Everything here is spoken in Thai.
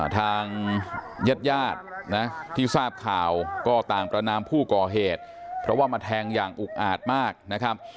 ทางญาติญาตินะที่ทราบข่าวก็ต่างประนามผู้ก่อเหตุเพราะว่ามาแทงอย่างอุกอาจมากนะครับ